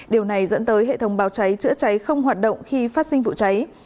điều này dẫn tới hệ thống báo cháy chữa cháy không hoạt động khi phát sinh vụ cháy